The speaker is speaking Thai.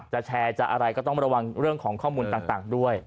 จะแชร์จะอะไรก็ต้องระวังเรื่องของข้อมูลต่างด้วย